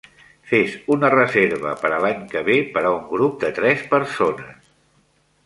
Fes una reserva per a l'any que ve per a un grup de tres persones.